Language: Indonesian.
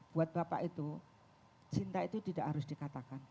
buat bapak itu cinta itu tidak harus dikatakan